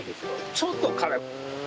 ちょっと辛い。